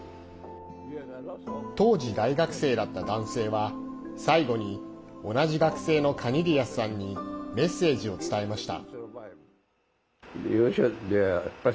当時、大学生だった男性は最後に同じ学生のカニリヤスさんにメッセージを伝えました。